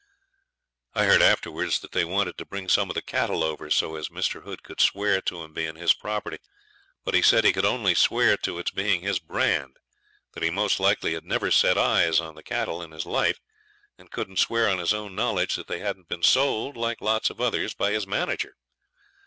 I heard afterwards that they wanted to bring some of the cattle over, so as Mr. Hood could swear to 'em being his property. But he said he could only swear to its being his brand; that he most likely had never set eyes on them in his life, and couldn't swear on his own knowledge that they hadn't been sold, like lots of others, by his manager.